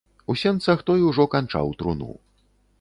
У сенцах той ужо канчаў труну.